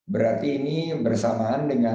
berarti ini bersamaan dengan